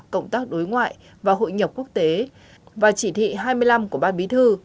cộng tác đối ngoại và hội nhập quốc tế và chỉ thị hai mươi năm của ban bí thư